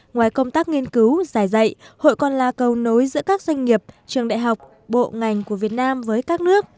ngoài công tác nghiên cứu giải dạy hội còn là cầu nối giữa các doanh nghiệp trường đại học bộ ngành của việt nam với các nước